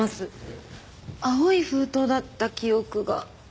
青い封筒だった記憶が。